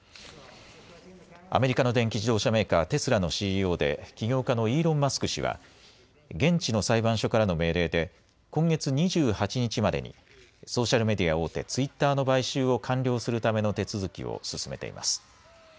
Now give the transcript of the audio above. アメリカの電気自動車メーカー、テスラのＣＥＯで起業家のイーロン・マスク氏は、現地の裁判所からの命令で今月２８日までにソーシャルメディア大手、ツイッターの買収を完了するための手続きを進めています。